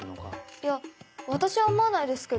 いや私は思わないですけど。